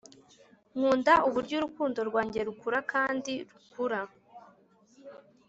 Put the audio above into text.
nkunda uburyo urukundo rwanjye rukura kandi rukura